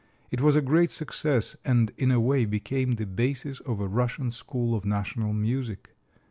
It was a great success, and in a way became the basis of a Russian school of national music.